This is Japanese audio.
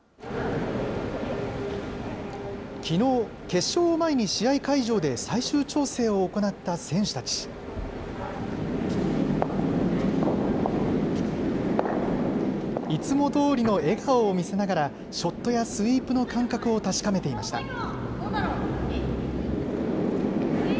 きのう、決勝を前に試合会場で最終調整を行った選手たち。いつもどおりの笑顔を見せながら、ショットやスイープの感覚を確かめていました。